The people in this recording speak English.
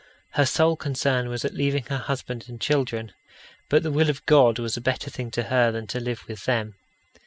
Her sole concern was at leaving her husband and children. But the will of God was a better thing to her than to live with them.